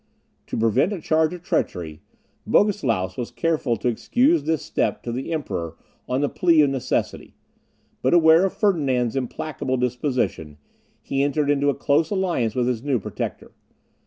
To prevent a charge of treachery, Bogislaus was careful to excuse this step to the Emperor on the plea of necessity; but aware of Ferdinand's implacable disposition, he entered into a close alliance with his new protector.